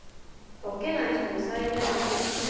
解けない人に採点はできません。